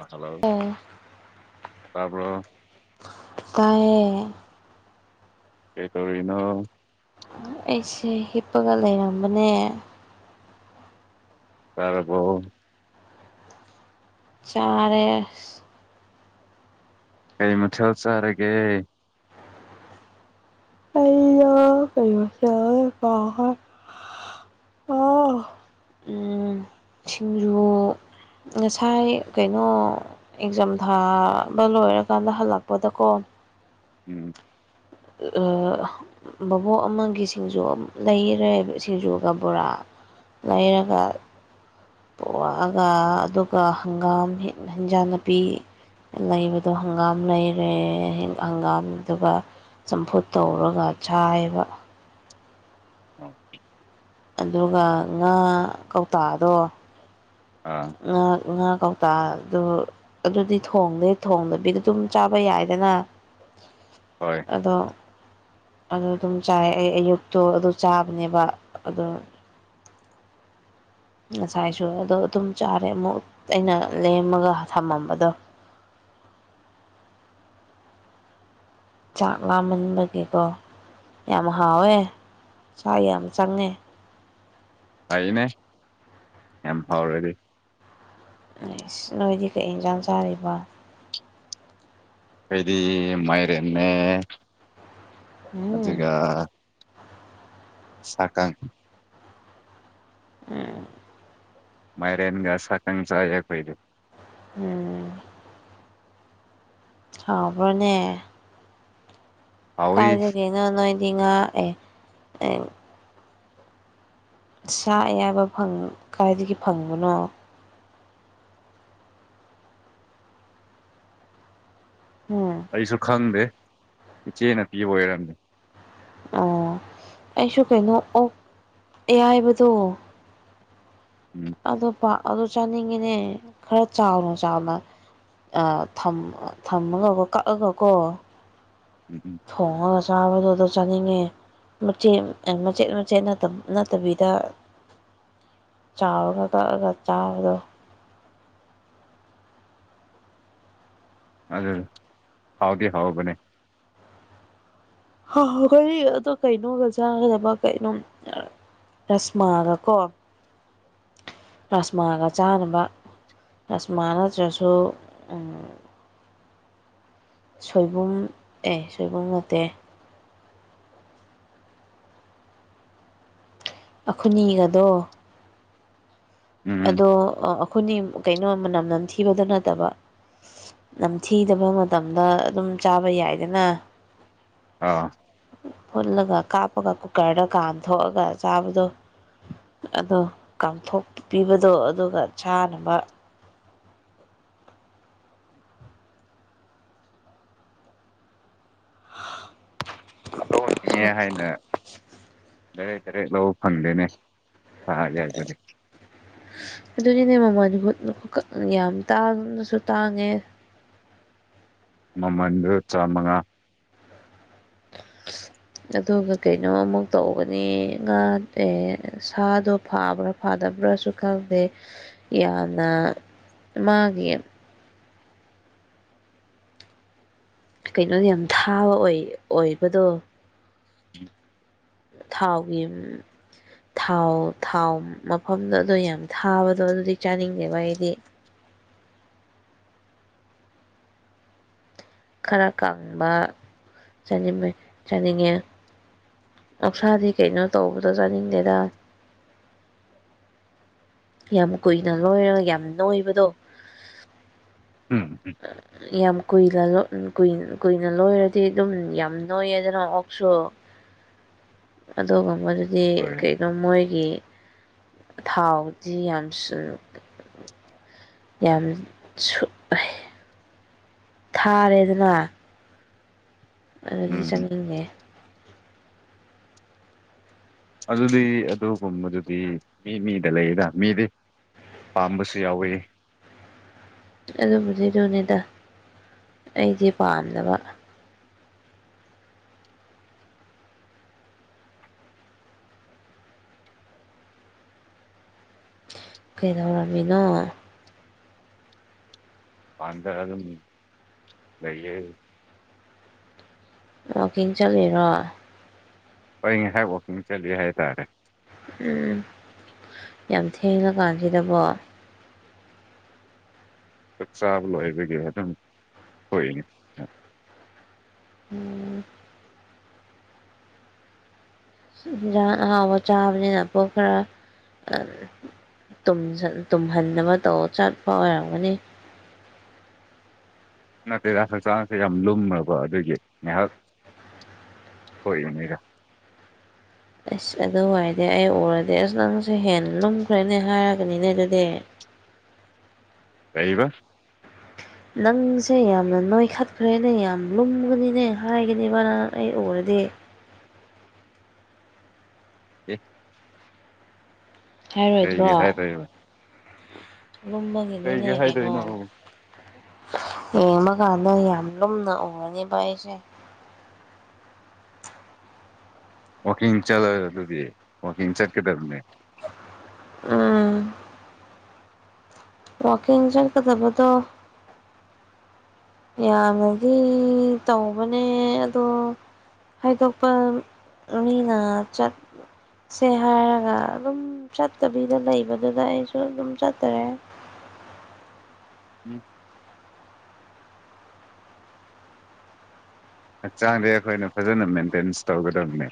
ꯑꯥ hello ꯑꯦ ꯇꯥꯕ꯭ꯔꯣ ꯇꯥꯏꯌꯦ ꯀꯩꯇꯧꯔꯤꯅꯣ ꯑꯩꯁꯦ ꯍꯤꯞꯄꯒꯥ ꯂꯩꯔꯝꯕꯅꯦ ꯆꯥꯔꯥꯕꯣ ꯆꯥꯔꯦ ꯀꯩ ꯃꯥꯊꯦꯜ ꯆꯥꯔꯥꯒꯦ ꯑꯣ ꯀꯩ ꯃꯊꯦꯜꯅꯣ ꯀꯥꯎꯈ꯭ꯔꯦ ꯎꯝ ꯁꯤꯡꯖꯨ ꯉꯁꯥꯏ ꯀꯩꯅꯣ ꯑꯦꯛꯖꯥꯝ ꯊꯥꯕ ꯂꯣꯏꯔꯥꯀꯥꯟꯗꯥ ꯍꯜꯂꯛꯄꯥꯗꯀꯣ ꯎꯝ ꯑꯥ ꯕꯣꯕꯣꯛ ꯑꯃꯥꯒꯤ ꯁꯤꯡꯖꯨ ꯂꯩꯔꯦ ꯁꯤꯡꯖꯨꯒꯥ ꯕꯣꯔꯥ ꯂꯩꯔꯒꯥ ꯄꯣꯔꯛꯑꯒ ꯑꯗꯨꯒ ꯍꯪꯒꯥꯝ ꯍꯦ ꯍꯦꯟꯖꯥꯡ ꯅꯥꯄꯤ ꯂꯩꯕꯗꯣ ꯍꯪꯒꯥꯝ ꯂꯩꯔꯦ ꯍꯦ ꯍꯪꯒꯥꯝ ꯑꯗꯨꯒ ꯆꯝꯐꯨꯠ ꯇꯧꯔꯒ ꯆꯥꯏꯕ [unintelligible] ꯑꯗꯨꯒ ꯉꯥ ꯀꯧꯇꯥꯗꯣ ꯑꯥ ꯉꯥ ꯉꯥ ꯀꯧꯇꯥꯗꯨ ꯑꯗꯨꯗꯤ ꯊꯣꯡꯗꯦ ꯊꯣꯡꯗꯕꯤꯗ ꯑꯗꯨꯝ ꯆꯥꯕ ꯌꯥꯏꯗꯅ ꯍꯣꯏ ꯑꯗꯣ ꯑꯗꯨ ꯑꯗꯨꯝ ꯆꯥꯏ ꯑꯩ ꯑꯌꯨꯛꯇꯣ ꯑꯗꯨ ꯆꯥꯕꯅꯦꯕ ꯑꯗꯨ ꯉꯁꯥꯏꯁꯨ ꯑꯗꯣ ꯑꯗꯨꯝ ꯆꯥꯔꯦ ꯑꯃꯨꯛ ꯑꯩꯅ ꯂꯦꯝꯃꯒ ꯊꯝꯃꯝꯕꯗꯣ ꯆꯥꯛ ꯂꯥꯝꯃꯟꯕꯒꯤꯀꯣ ꯌꯥꯝ ꯍꯥꯎꯋꯦ ꯆꯥꯛ ꯌꯥꯝ ꯆꯪꯉꯦ ꯐꯩꯅꯦ ꯌꯥꯝ ꯐꯥꯎꯔꯗꯤ ꯑꯩꯁ ꯅꯣꯏꯗꯤ ꯀꯩ ꯌꯦꯟꯁꯥꯡ ꯆꯥꯔꯤꯕ ꯑꯩꯩꯗꯤ ꯃꯥꯏꯔꯦꯟꯅꯦ ꯎꯝ ꯑꯗꯨꯒ ꯁꯥꯀꯪ ꯑꯥ ꯃꯥꯏꯔꯦꯟꯒ ꯁꯥꯀꯪ ꯆꯥꯏ ꯑꯈꯣꯏꯗꯤ ꯎꯝ ꯍꯥꯎꯕ꯭ꯔꯣꯅꯦ ꯍꯥꯎꯋꯤ ꯀꯥꯏꯗꯒꯤꯅꯣ ꯅꯣꯏꯗꯤ ꯉꯥ ꯑꯦ ꯑꯦꯡ ꯁꯥ ꯑꯌꯥꯏꯕ ꯐꯪ ꯀꯥꯏꯗꯒꯤ ꯐꯪꯕꯅꯣ ꯍꯨ ꯑꯩꯁꯨ ꯈꯪꯗꯦ ꯏꯆꯦꯅ ꯄꯤꯕ ꯑꯣꯏꯔꯝꯃꯦ ꯑꯣ ꯑꯩꯁꯨ ꯀꯩꯅꯣ ꯑꯣꯛ ꯑꯌꯥꯏꯕꯗꯣ ꯎꯝ ꯑꯗꯨ ꯄꯥꯝ ꯑꯗꯨ ꯆꯥꯅꯤꯡꯉꯤꯅꯦ ꯈꯔ ꯆꯥꯎꯅ ꯆꯥꯎꯅ ꯑꯥ ꯊꯝ ꯊꯝꯃꯒꯀꯣ ꯀꯛꯑꯒꯀꯣ [unintelligible] ꯊꯣꯡꯉꯒ ꯆꯥꯕꯗꯨ ꯑꯗꯣ ꯆꯥꯅꯤꯡꯉꯦ ꯃꯆꯦꯠ ꯑꯥ ꯃꯆꯦꯠ ꯃꯆꯦꯠ ꯅꯠꯇ ꯅꯠꯇꯕꯤꯗ ꯆꯥꯎꯔꯒ ꯀꯛꯑꯒ ꯆꯥꯕꯗꯨ ꯑꯗꯨ ꯍꯥꯎꯗꯤ ꯍꯥꯎꯕꯅꯦ ꯍꯥꯎꯒꯅꯤ ꯑꯗꯣ ꯀ ꯩꯅꯣꯒ ꯆꯥꯒꯗꯕ ꯀꯩꯅꯣ ꯔꯁꯃꯥꯒ ꯀꯣ ꯔꯁꯃꯥꯒ ꯆꯥꯅꯕ ꯔꯁꯃꯥ ꯅꯠꯇ꯭ꯔꯁꯨ ꯑꯥ ꯁꯣꯏꯕꯨꯝ ꯑꯦ ꯁꯣꯏꯕꯨꯝ ꯅꯠꯇꯦ ꯑꯈꯨꯅꯤꯒꯗꯣ ꯎꯝ ꯑꯗꯣ ꯑꯥ ꯑꯈꯨꯅꯤ ꯀꯩꯅꯣ ꯃꯅꯝ ꯅꯝꯊꯤꯕꯗꯣ ꯅꯠꯇꯕ ꯅꯝꯊꯤꯗꯕ ꯃꯇꯝꯗ ꯑꯗꯨꯝ ꯆꯥꯕ ꯌꯥꯏꯗꯅ [unintelligible] ꯐꯨꯠꯂꯒ ꯀꯥꯞꯄꯒ ꯀꯨꯀꯔꯗ ꯀꯥꯝ ꯊꯣꯛꯑꯒ ꯆꯥꯕꯗꯣ ꯑꯗꯣ ꯀꯥꯝꯊꯣꯛꯄꯤꯕꯗꯣ ꯑꯗꯨꯒ ꯆꯥꯅꯕ [unintelligible] ꯂꯧꯍꯟꯅꯤꯡꯉꯦ ꯍꯥꯏꯅ ꯗꯥꯏꯔꯦꯛ ꯗꯥꯏꯔꯦꯛ ꯂꯧꯕ ꯐꯪꯗꯦꯅꯦ [unintelligible] ꯒꯦ ꯍꯥꯢꯕꯒꯤ ꯑꯗꯨꯅꯤꯅꯦ ꯃꯃꯜꯗꯨ [unintelligible] ꯌꯥꯝ ꯇꯥꯡꯉꯁꯨ ꯇꯥꯡꯉꯦ ꯃꯃꯟꯗꯨ ꯆꯥ ꯃꯉꯥ [unintelligible] ꯑꯗꯨꯒ ꯀꯩꯅꯣ ꯑꯃꯨꯛ ꯇꯧꯕꯅꯤ ꯉꯥ ꯑꯦ ꯁꯥꯗꯣ ꯐꯥꯕ꯭ꯔꯥ ꯐꯥꯗꯕ꯭ꯔꯁꯨ ꯈꯪꯗꯦ ꯌꯥꯝꯅ ꯃꯥꯒꯤ ꯀꯩꯅꯣ ꯌꯥꯝ ꯊꯥꯕ ꯑꯣꯏ ꯑꯣꯏꯕꯗꯣ꯫ ꯊꯥꯎꯒꯤ ꯊꯥꯎ ꯊꯥꯎ ꯃꯐꯝꯗ ꯑꯗꯣ ꯌꯥꯝ ꯊꯥꯕꯗꯣ ꯑꯗꯨꯗꯤ ꯆꯥꯅꯤꯡꯗꯦꯕ ꯑꯩꯗꯤ꯫ ꯈꯔ ꯀꯪꯕ ꯆꯥꯅꯤꯡꯕꯩ ꯆꯥꯅꯤꯡꯉꯦ꯫ ꯑꯣꯛꯁꯥꯗꯤ ꯀꯩꯅꯣ ꯇꯧꯕꯗꯣ ꯆꯥꯅꯤꯡꯗꯦꯗ꯫ ꯌꯥꯝ ꯀꯨꯏꯅ ꯂꯣꯏꯔꯒ ꯌꯥꯝ ꯅꯣꯏꯕꯗꯣ꯫ ꯎꯝ ꯫ [unintelligible] ꯌꯥꯝ ꯀꯨꯏꯂ ꯂꯣ ꯀꯨꯏꯅ ꯀꯨꯢꯅ ꯂꯣꯏꯔꯗꯤ ꯑꯗꯨꯝ ꯌꯥꯝ ꯅꯣꯏꯌꯦꯗꯅ ꯑꯣꯛꯁꯨ꯫ ꯑꯗꯣꯒꯨꯝꯕꯗꯨ- ꯗꯤ ꯍꯣꯏ ꯀꯩꯅꯣ ꯃꯣꯏꯒꯤ ꯊꯥꯎꯗꯤ ꯌꯥꯝꯁꯨ ꯌꯥꯝ ꯁꯨꯠ ꯊꯥꯔꯦꯗꯅ꯫ ꯑꯗꯨꯗꯤ ꯎꯝ ꯆꯥꯅꯤꯡꯉꯦ꯫ ꯑꯗꯨꯗꯤ ꯑꯗꯨꯒꯨꯝꯕꯗꯨꯗꯤ ꯃꯤ ꯃꯤꯗ ꯂꯩꯌꯦꯗ ꯃꯤꯗꯤ ꯄꯥꯝꯕꯁꯨ ꯌꯥꯎꯋꯦ꯫ ꯑꯗꯨꯕꯨꯗꯤ ꯑꯗꯨꯅꯤꯗ ꯑꯩꯗꯤ ꯄꯥꯝꯗꯕ꯫ ꯀꯩꯗꯧꯔꯝꯃꯤꯅꯣ꯫ ꯄꯥꯟꯗ ꯑꯗꯨꯝ ꯂꯩꯌꯦ꯫ ꯋꯥꯀꯤꯡ ꯆꯠꯂꯤꯔꯣ꯫ ꯑꯩ ꯉꯥꯏꯍꯥꯛ ꯋꯥꯛꯀꯤꯡ ꯆꯠꯂꯤ ꯍꯥꯏꯇꯥꯔꯦ꯫ ꯎꯝ ꯌꯥꯝ ꯊꯦꯡꯉ ꯀꯥꯟꯁꯤꯗꯕꯣ꯫ ꯆꯥꯛ ꯆꯥꯕ ꯂꯣꯏꯕꯒꯤ ꯑꯗꯨꯝ ꯊꯣꯛꯏꯅꯤ꯫ ꯎꯝ꯫ ꯍꯤꯟꯖꯥꯡ ꯑꯍꯥꯎꯕ ꯆꯥꯕꯅꯤꯅ ꯄꯨꯛ ꯈꯔ ꯑꯝ ꯇꯨꯝꯖꯟ ꯇꯨꯝꯍꯟꯅꯕꯥ ꯇꯧ ꯆꯠꯄ ꯑꯣꯏꯔꯝꯒꯅꯤ꯫ ꯅꯠꯇꯦꯗ ꯍꯛꯆꯥꯡꯁꯦ ꯌꯥꯝ ꯂꯨꯝꯃꯀꯣ ꯑꯗꯨꯒꯤ ꯉꯥꯏꯍꯥꯛ ꯊꯣꯛꯏꯝꯅꯦꯗ ꯑꯁ ꯑꯗꯨ ꯑꯣꯏꯔꯗꯤ ꯑꯩ ꯎꯔꯗꯤ ꯑꯁ ꯅꯪꯁꯦ ꯍꯦꯟꯅ ꯂꯨꯝꯈ꯭ꯔꯦꯅꯦ ꯍꯥꯏꯔꯒꯅꯤꯅꯦ ꯑꯗꯨꯗꯤ꯫ ꯀꯩꯕꯥ꯫ ꯅꯪꯁꯦ ꯌꯥꯝꯅ ꯅꯣꯏꯈꯠꯈ꯭ꯔꯦꯅꯦ ꯌꯥꯝ ꯂꯨꯝꯒꯅꯤꯅꯦ ꯍꯥꯏꯒꯅꯤꯕ ꯅꯪ ꯑꯩ ꯎꯔꯗꯤ꯫ ꯑꯦ꯫ ꯀꯩꯒꯤ ꯍꯥꯏꯔꯣꯏꯗ꯭ꯔꯣ ꯍꯥꯏꯗꯣꯏꯕ꯫ ꯂꯨꯝꯕꯒꯤꯅꯤꯅꯦ ꯀꯩꯒꯤ ꯒꯩꯅꯣ꯫ ꯍꯥꯏꯗꯣꯏꯅꯣ ꯌꯦꯡꯕꯀꯥꯟꯗ ꯌꯥꯝ ꯂꯨꯝꯅ ꯎꯔꯅꯦꯕ ꯑꯩꯁꯦ꯫ ꯋꯥꯛꯀꯤꯡ ꯆꯠꯂꯒ ꯑꯗꯨꯗꯤ ꯋꯥꯛꯀꯤꯡ ꯆꯠꯀꯗꯕꯅꯦ꯫ ꯎꯝ꯫ ꯋꯥꯀꯤꯡ ꯖꯠꯀꯗꯕꯗꯣ꯫ ꯌꯥꯝꯅꯗꯤ ꯇꯧꯕꯅꯦ ꯑꯗꯣ꯫ ꯍꯥꯏꯗꯣꯛꯄ ꯃꯤꯅ ꯆꯠ ꯁꯦ ꯍꯥꯏꯔꯒ ꯑꯗꯨꯝ ꯆꯠꯇꯕꯤꯗ ꯂꯩꯕꯗꯨꯗ ꯑꯩꯁꯨ ꯑꯗꯨꯝ ꯆꯠꯇꯔꯦ꯫ ꯎꯝ꯫ ꯍꯛꯆꯥꯡꯗꯤ ꯑꯩꯈꯣꯏꯅ ꯐꯖꯅ ꯃꯦꯟꯇꯦꯟꯁ ꯇꯧꯒꯗꯕꯅꯦ꯫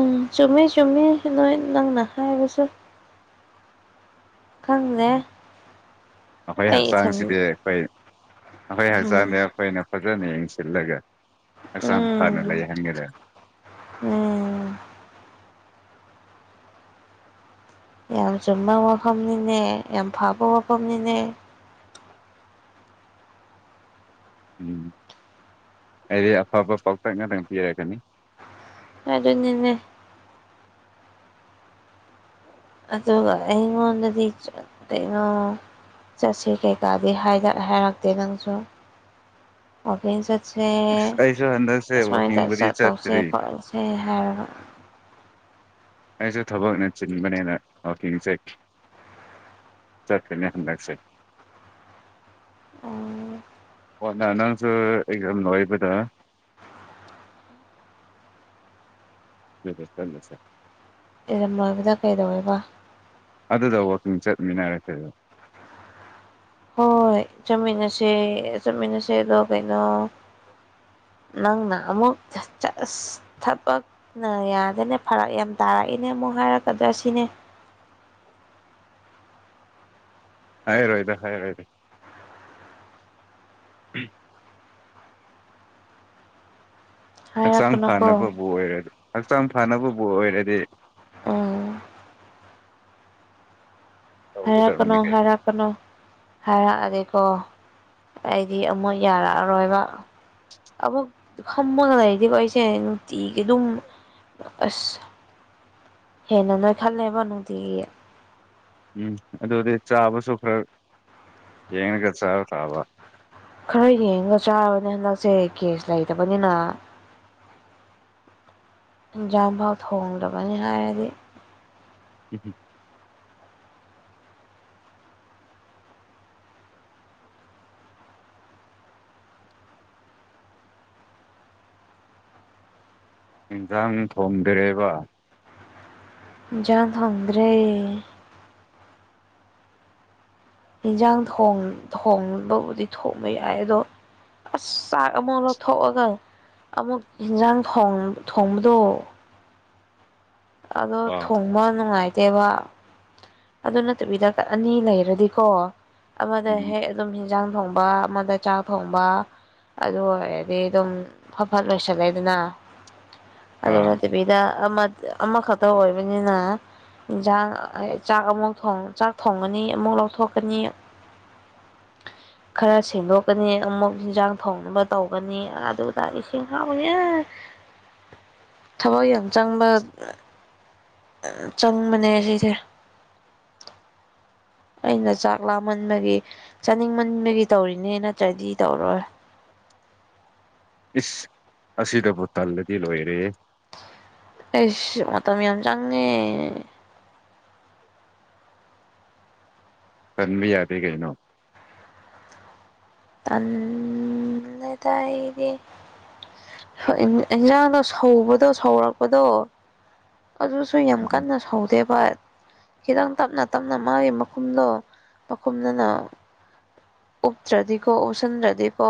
ꯎꯝ ꯆꯨꯝꯃꯤ ꯆꯨꯝꯃꯤ ꯅꯣꯏ ꯅꯪꯅ ꯍꯥꯏꯕꯁꯨ꯫ ꯈꯪꯗꯦ꯫ ꯑꯩꯈꯣꯏ ꯑꯩ ꯏꯊꯟ ꯍꯛꯆꯥꯡꯁꯤꯗꯤ ꯑꯩꯈꯣꯏ ꯑꯩꯈꯣꯏ ꯎꯝ ꯍꯛꯆꯥꯡꯗꯤ ꯑꯩꯈꯣꯏꯅ ꯐꯖꯅ ꯌꯦꯡꯁꯤꯜꯂꯒ ꯍꯛꯆꯥꯡ ꯐꯅ ꯂꯩ ꯎꯝ ꯍꯟꯒꯗ ꯎꯝ꯫ ꯌꯥꯝ ꯆꯨꯝꯕ ꯋꯥꯐꯝꯅꯤꯅꯦ ꯌꯥꯝ ꯐꯕ ꯋꯥꯐꯝꯅꯤꯅꯦ꯫ ꯎꯝ ꯑꯩ ꯑꯐꯕ ꯄꯥꯎꯇꯥꯛ ꯉꯥꯛꯇꯪ ꯄꯤꯔꯛꯀꯅꯤ꯫ ꯑꯗꯨꯅꯤꯅꯦ꯫ ꯑꯗꯨꯒ ꯑꯩꯉꯣꯟꯗꯗꯤ ꯀꯩꯅꯣ ꯆꯠꯁꯦ ꯀꯩꯀꯥꯗꯤ ꯍꯥꯏꯗꯛ ꯍꯥꯏꯔꯛꯇꯦ ꯅꯪꯁꯨ ꯋꯥꯀꯤꯡ ꯆꯠ ꯁꯦ ꯑꯩꯁꯨ ꯍꯟꯗꯛꯁꯦ ꯑꯁꯨꯃꯥꯏꯅ ꯋꯥꯛꯀꯤꯡꯕꯨꯗꯤ ꯆꯠꯇꯧꯁꯦ ꯆꯠꯇ꯭ꯔꯤ ꯈꯣꯠꯂꯁꯦ ꯍꯥꯏꯔꯒ꯫ ꯅꯡꯁꯨ ꯊꯕꯛꯅ ꯆꯤꯟꯕꯅꯦꯅ ꯋꯥꯀꯤꯡꯆꯠ ꯆꯠꯀꯅꯤ ꯍꯗꯛꯁꯦ꯫ ꯑꯣ ꯅ ꯅꯪꯁꯨ ꯑꯦꯛꯖꯥꯝ ꯂꯣꯏꯕꯗ꯫ ꯗꯨꯒ ꯆꯠꯂꯨꯁꯦ ꯫ ꯑꯦꯖꯥꯝ ꯂꯣꯏꯕꯗ ꯀꯩꯗꯧꯋꯦꯕ꯫ ꯑꯗꯨꯗ ꯋꯥꯛꯀꯤꯡ ꯆꯠꯃꯤꯟꯅꯔꯁꯦꯕ ꯫ ꯍꯣꯏ ꯆꯠꯃꯤꯟꯅꯁꯦ ꯆꯠꯃꯤꯟꯅꯁꯦ ꯑꯗꯣ ꯀꯩꯅꯣ꯫ ꯅꯪꯅ ꯑꯃꯨꯛ ꯆ ꯆ ꯑꯁ ꯊꯕꯛ꯫ ꯅ ꯌꯥꯗꯦꯅꯦ ꯐꯔꯛ ꯌꯥꯝ ꯇꯥꯔꯛꯏꯅꯦ ꯑꯃꯨꯛ ꯍꯥꯏꯔꯛꯀꯗ꯭ꯔ ꯁꯤꯅꯤ ꯫ ꯍꯥꯏꯔꯣꯏꯗ ꯍꯥꯏꯔꯣꯏꯗ꯫ ꯍꯛꯆꯥꯡ ꯍꯥꯏꯔꯛꯀꯅꯨꯀꯣ ꯐꯅꯕꯕꯨ ꯑꯣꯏꯔ ꯍꯛꯆꯥꯡ ꯐꯅꯕꯕꯨ ꯑꯣꯏꯔꯗꯤ ꯎꯝ ꯍꯥꯏꯔꯛ ꯀꯅꯣ ꯍꯥꯏꯔꯛ ꯀꯩꯅꯣ ꯍꯥꯏꯔꯛꯑꯗꯤꯀꯣ ꯑꯩꯗꯤ ꯑꯃꯨꯛ ꯌꯥꯔꯛꯑꯔꯣꯏꯕ ꯑꯃꯨꯛ ꯐꯝꯃꯒ ꯂꯩꯔꯗꯤ ꯑꯩꯁꯦ ꯅꯨꯡꯇꯤꯒꯤ ꯑꯗꯨꯝ ꯑꯁ ꯍꯦꯟꯅ ꯅꯣꯏꯈꯠꯂꯦꯕ ꯅꯨꯡꯇꯤꯒꯤ ꯎꯝ ꯑꯗꯨꯗꯤ ꯆꯥꯕꯁꯨ ꯈꯔ ꯌꯦꯡꯉꯒ ꯆꯥꯕ ꯇꯥꯕ ꯈꯔ ꯌꯦꯡꯉꯒ ꯆꯥꯔꯕꯅꯦ ꯍꯟꯗꯛꯁꯦ ꯀꯦꯁ ꯂꯩꯇꯕꯅꯤꯅ ꯌꯦꯟꯖꯥꯡꯐꯥꯎ ꯊꯣꯡꯗꯕꯅꯤ ꯍꯥꯏꯔꯗꯤ ꯎꯝꯍꯨꯝ ꯏꯟꯁꯥꯡ ꯊꯣꯡꯗ꯭ꯔꯦꯕ ꯏꯟꯖꯥꯡ ꯊꯣꯡꯗ꯭ꯔꯦ ꯏꯟꯖꯥꯡ ꯊꯣꯡ ꯊꯣꯡꯕꯕꯨꯗꯤ ꯊꯣꯡꯕ ꯌꯥꯏ ꯑꯗꯣ ꯑꯁ ꯆꯥꯛ ꯑꯃꯨꯛ ꯂꯧꯊꯣꯛꯑꯒ ꯑꯃꯨꯛ ꯌꯦꯟꯖꯥꯡ ꯊꯣꯡ ꯊꯣꯡꯕꯗꯣ ꯑꯗꯣ ꯑꯥ ꯊꯣꯡꯕ ꯅꯨꯡꯉꯥꯏꯇꯦꯕ ꯑꯗꯨ ꯅꯠꯇꯕꯤꯗ ꯑꯅꯤ ꯂꯩꯔꯗꯤꯀꯣ ꯑꯃꯗ ꯎꯝ ꯍꯦꯛ ꯑꯗꯨꯝ ꯑꯦꯟꯖꯥꯡ ꯊꯣꯡꯕ ꯑꯃꯗ ꯆꯥꯛ ꯊꯣꯡꯕ ꯑꯗꯨ ꯑꯣꯏꯔꯗꯤ ꯑꯗꯨꯝ ꯐꯠ ꯐꯠ ꯂꯣꯏꯁꯜꯂꯦꯗꯅ ꯑꯗꯨ ꯑꯥ ꯅꯠꯇꯕꯤꯗ ꯑꯃꯈꯛꯇ ꯑꯣꯏꯕꯅꯤꯅ ꯌꯦꯟꯁꯥꯡ ꯆꯥꯛ ꯑꯃꯨꯛ ꯊꯣꯡ ꯆꯥꯛ ꯊꯣꯡꯒꯅꯤ ꯑꯃꯨꯛ ꯂꯧꯊꯣꯛꯀꯅꯤ ꯈꯔ ꯁꯦꯡꯗꯣꯛꯀꯅꯤ ꯑꯃꯨꯛ ꯏꯟꯁꯥꯡ ꯊꯣꯡꯅꯕ ꯇꯧꯒꯅꯤ ꯑꯗꯨꯗ ꯏꯁꯤꯡ ꯍꯥꯎꯕꯅꯤꯍꯦ ꯊꯕꯛ ꯌꯥꯝ ꯆꯪꯕ ꯆꯪꯕꯅꯦ ꯁꯤꯁꯦ ꯑꯩꯅ ꯆꯥꯛ ꯂꯥꯃꯟꯕꯒꯤ ꯆꯥꯅꯤꯡꯃꯟꯕꯒꯤ ꯇꯧꯔꯤꯅꯦ ꯅꯠꯇ꯭ꯔꯗꯤ ꯇꯧꯔꯣꯏ ꯏꯁ ꯑꯁꯤꯗꯕꯨ ꯇꯜꯂꯗꯤ ꯂꯣꯏꯔꯦꯍꯦ ꯑꯩꯁ ꯃꯇꯝ ꯌꯥꯝ ꯆꯪꯕꯅꯦ ꯇꯟꯕ ꯌꯥꯗꯦ ꯀꯩꯅꯣ ꯇꯟꯗꯦꯗ ꯑꯩꯗꯤ ꯍꯣꯏ ꯏꯟꯖꯥꯡꯗꯣ ꯁꯧꯕꯗꯣ ꯁꯧꯔꯛꯄꯗꯣ ꯑꯗꯨꯁꯨ ꯌꯥꯝ ꯎꯝ ꯀꯟꯅ ꯁꯧꯗꯦꯕ ꯈꯤꯇꯪ ꯇꯞꯅ ꯇꯞꯅ ꯃꯥꯒꯤ ꯃꯈꯨꯝꯗꯣ ꯃꯈꯨꯝꯗꯨꯅ ꯎꯞꯇ꯭ꯔꯗꯤꯀꯣ ꯎꯞꯁꯟꯗ꯭ꯔꯗꯤꯀꯣ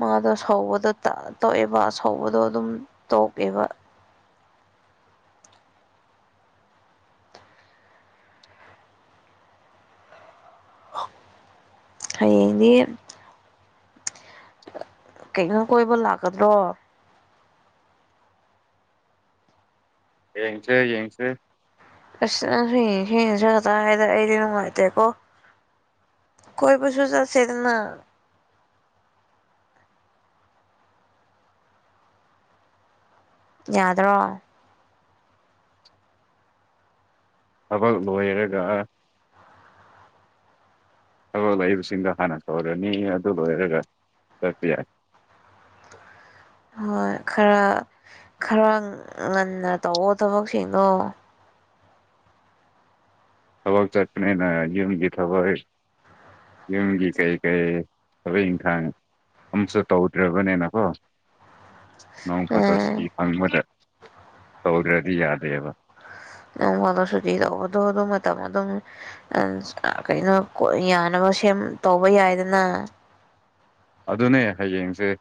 ꯃꯥꯗꯣ ꯁꯧꯕꯗꯣ ꯇꯣꯛꯑꯦꯕ ꯑꯁꯧꯕꯗꯣ ꯑꯗꯨꯝ ꯇꯣꯛꯑꯦꯕ ꯍꯌꯦꯡꯗꯤ ꯀꯩꯅꯣ ꯀꯣꯏꯕ ꯂꯥꯛꯀꯗ꯭ꯔꯣ ꯌꯦꯡꯁꯦ ꯌꯦꯡꯁꯦ ꯑꯁ ꯅꯪ ꯍꯌꯦꯡ ꯍꯌꯦꯡ ꯆꯠꯀꯗ꯭ꯔꯥ ꯍꯥꯏꯗꯣ ꯑꯩꯗꯤ ꯅꯨꯡꯉꯥꯏꯇꯦꯀꯣ ꯀꯣꯏꯕꯁꯨ ꯆꯠꯁꯦꯗꯅ ꯌꯥꯗ꯭ꯔꯣ ꯊꯕꯛ ꯂꯣꯏꯔꯒ ꯊꯕꯛ ꯂꯩꯕꯁꯤꯡꯗꯣ ꯍꯥꯟꯅ ꯇꯧꯔꯅꯤ ꯑꯗꯨ ꯂꯣꯏꯔꯒ ꯆꯠꯄ ꯌꯥꯏ ꯍꯣꯏ ꯈꯔ ꯈꯔ ꯉꯟꯅ ꯇꯧꯋꯣ ꯊꯕꯛꯁꯤꯡꯗꯣ ꯊꯕꯛ ꯆꯠꯄꯅꯦꯅ ꯌꯨꯝꯒꯤ ꯊꯕꯛ ꯌꯨꯝꯒꯤ ꯀꯩ ꯀꯩ ꯊꯥꯕꯛ ꯏꯟꯈꯥꯡ ꯑꯝꯁꯨ ꯇꯧꯗ꯭ꯔꯕꯅꯦꯅꯀꯣ ꯅꯣꯡ ꯐꯥꯗꯣꯛ ꯁꯤꯀꯤ ꯎꯝ ꯐꯪꯕꯗ ꯇꯧꯗ꯭ꯔꯗꯤ ꯌꯥꯗꯦꯕ ꯅꯣꯡ ꯐꯗꯣꯛ ꯁꯨꯇꯤ ꯂꯧꯕꯗꯣ ꯑꯗꯨ ꯃꯇꯝꯗ ꯑꯗꯨꯝ ꯑ ꯀꯩꯅꯣ ꯀꯣ ꯌꯥꯅꯕ ꯁꯦꯝ ꯇꯧꯕ ꯌꯥꯏꯗꯅ ꯑꯗꯨꯅꯦ ꯍꯌꯦꯡꯁꯦ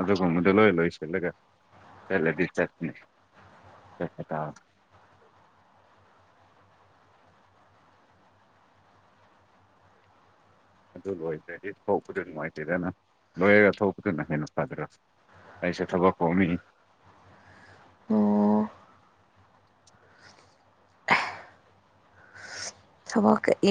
ꯑꯗꯨꯒꯨꯝꯕꯗꯣ ꯂꯣꯏ ꯂꯣꯏꯁꯤꯜꯂꯒ ꯆꯠꯂꯗꯤ ꯆꯠꯅꯤ ꯆꯠꯄꯇ ꯑꯗꯨ ꯂꯣꯏꯗ꯭ꯔꯗꯤ ꯊꯣꯛꯕꯗꯨ ꯅꯨꯡꯉꯥꯏꯇꯦꯗꯅ ꯂꯣꯏꯔꯒ ꯊꯣꯛꯕꯗꯨꯅ ꯍꯦꯟꯅ ꯐꯗꯔ ꯑꯩꯁꯨ ꯊꯕꯛ ꯀꯣꯃꯤ ꯑꯣ ꯊꯕꯛꯀ ꯏꯌꯨ